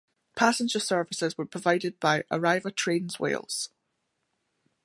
Passenger services were provided by Arriva Trains Wales.